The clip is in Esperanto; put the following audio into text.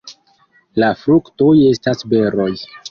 La fruktoj estas beroj.